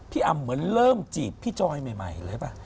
อำเหมือนเริ่มจีบพี่จอยใหม่เลยป่ะ